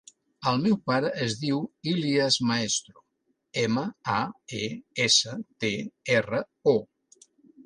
El meu pare es diu Ilyas Maestro: ema, a, e, essa, te, erra, o.